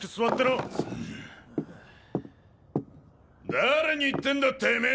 誰に言ってんだてめぇ！